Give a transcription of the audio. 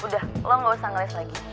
udah lo gak usah ngeles lagi